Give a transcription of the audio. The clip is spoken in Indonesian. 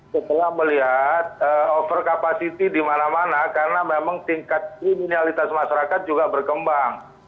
setelah melihat over capacity di mana mana karena memang tingkat kriminalitas masyarakat juga berkembang